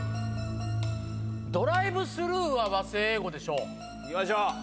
ドライブスルーは和製英語でしょ。